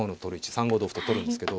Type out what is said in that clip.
３五同歩と取るんですけど。